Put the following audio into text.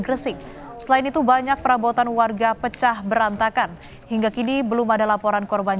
gresik selain itu banyak perabotan warga pecah berantakan hingga kini belum ada laporan korban